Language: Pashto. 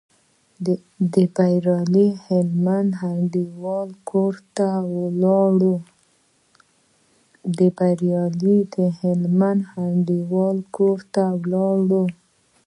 د بریالي هلمند انډیوال کور ته ولاړو.